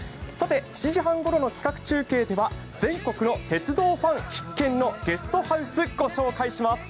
７時半ごろの企画中継では全国の鉄道ファン必見のゲストハウス、ご紹介します。